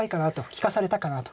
利かされたかなと。